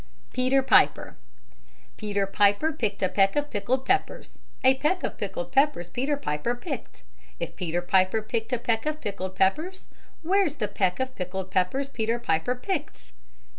PETER PIPER Peter Piper picked a peck of pickled peppers; A peck of pickled peppers Peter Piper picked. If Peter Piper picked a peck of pickled peppers, Where's the peck of pickled peppers Peter Piper picked?